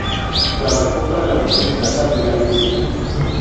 Trabajó para la versión estándar de la Biblia.